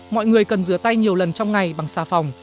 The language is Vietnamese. mọi người cần rửa tay nhiều lần trong ngày bằng xà phòng